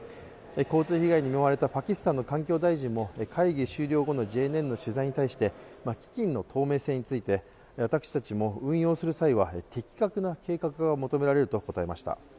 洪水被害に見舞われたパキスタンの環境大臣も会議終了後のＪＮＮの取材に対して基金の透明性について私たちも運用する際は的確な計画が求められると答えました。